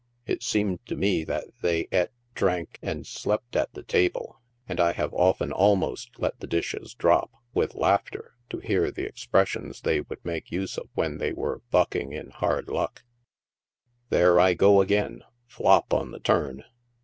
It seemed to me that they eat, drank and slept at the table, and I have often almost let the dishes drop, with laughter, to hear the expres sions they would make use of when they were bucking in hard luck, <; There I go again, flop on the turn."